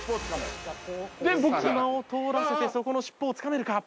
隙間を通らせてそこの尻尾をつかめるか？